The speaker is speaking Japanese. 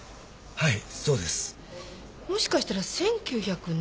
はい。